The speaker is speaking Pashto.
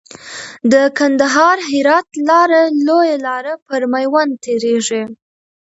د کندهار هرات لاره لويه لار پر ميوند تيريږي .